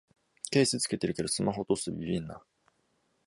ケース付けてるけどスマホ落とすとビビるな